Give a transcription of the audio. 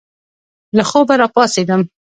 له خوبه را پاڅېدم.